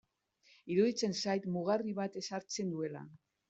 Iruditzen zait mugarri bat ezartzen duela.